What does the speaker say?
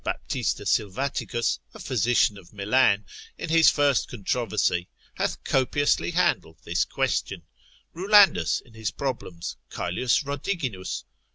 12. Jo. Baptista Silvaticus, a physician of Milan, in his first controversy, hath copiously handled this question: Rulandus in his problems, Caelius Rhodiginus, lib.